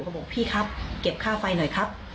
บอกพี่ครับเก็บค่าไฟหน่อยครับ